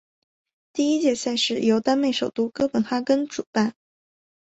第一届赛事于丹麦首都哥本哈根主办。